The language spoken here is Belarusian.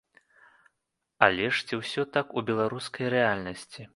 Але ж ці ўсё так у беларускай рэальнасці?